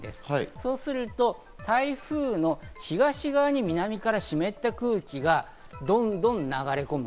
そうすると台風の東側に南から湿った空気がどんどん流れ込む。